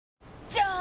じゃーん！